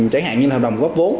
trải hạn như là hợp đồng góp vốn